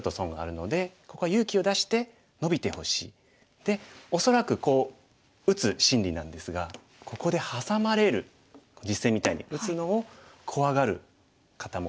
で恐らくこう打つ心理なんですがここでハサまれる実戦みたいに打つのを怖がる方もいらっしゃるのではないかと思います。